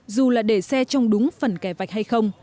dù là để xe trong đúng phần kẻ vạch hay không